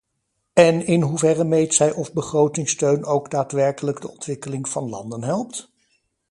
En in hoeverre meet zij of begrotingssteun ook daadwerkelijk de ontwikkeling van landen helpt?